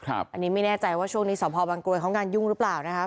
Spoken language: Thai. อันนี้ไม่แน่ใจว่าช่วงนี้สพบังกรวยเขางานยุ่งหรือเปล่านะครับ